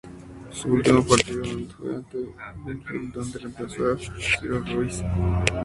Su último partido fue ante Banfield donde reemplazó a Ciro Rius.